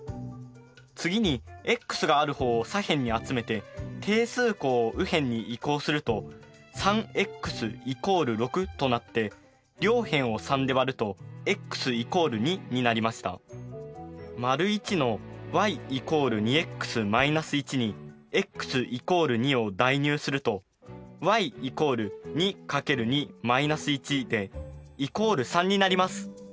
次にｘがある方を左辺に集めて定数項を右辺に移項すると両辺を３で割ると①のｙ＝２ｘ−１にｘ＝２を代入するとｙ＝２×２−１で＝３になります。